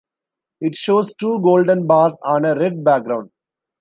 It shows two golden bars on a red background.